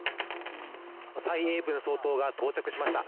蔡英文総統が到着しました。